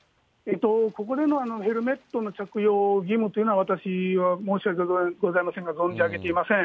ここでのヘルメットの着用義務というのは、私は申し訳ございませんが、存じ上げていません。